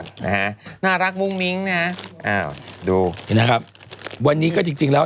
นะฮะน่ารักมุ้งมิ้งนะอ้าวดูนะครับวันนี้ก็จริงจริงแล้ว